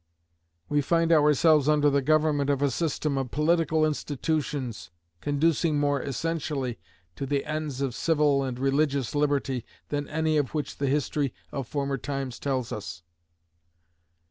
We find ourselves under the government of a system of political institutions conducing more essentially to the ends of civil and religious liberty than any of which the history of former times tells us.